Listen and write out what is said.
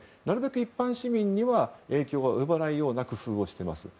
一般市民には影響が及ばないような工夫をしています。